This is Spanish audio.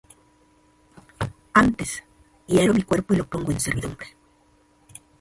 Antes hiero mi cuerpo, y lo pongo en servidumbre;